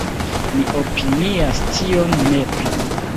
Mi opinias tion nepra.